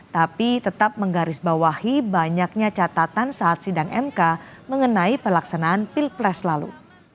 tapi tetap menggarisbawahi banyaknya catatan saat sidang mk mengenai pelaksanaan pilpres lalu